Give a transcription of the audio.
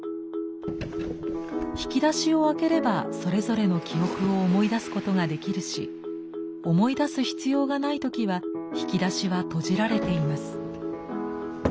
引き出しを開ければそれぞれの記憶を思い出すことができるし思い出す必要がない時は引き出しは閉じられています。